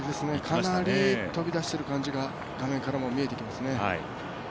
かなり飛び出している感じが画面からでも見えてきてますね。